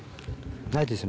ないです